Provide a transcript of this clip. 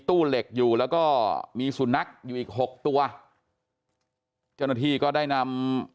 ตู้เหล็กอยู่แล้วก็มีสุนัขอยู่อีกหกตัวเจ้าหน้าที่ก็ได้นำ